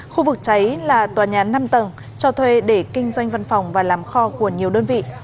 khu vực cháy là tòa nhà năm tầng cho thuê để kinh doanh văn phòng và làm kho của nhiều đơn vị